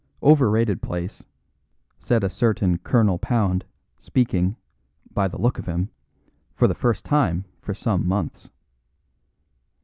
"Overrated place," said a certain Colonel Pound, speaking (by the look of him) for the first time for some months.